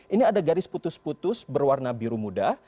ini ada garis putus putus berwarna biru muda